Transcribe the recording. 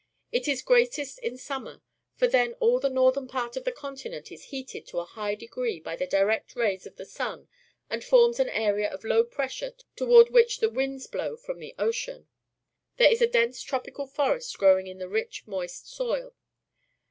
It is greatest in summer, for then all the northern part of the continent is heated to a high de gree by the direct rays of the sun and forms an area of low pressure toward which the winds blov/ from the ocean. Here is a dense tropi cal forest growing in the rich, moist soil.